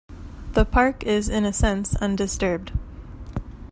The park is in a sense undisturbed.